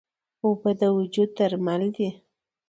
اوبه د وجود درمل دي.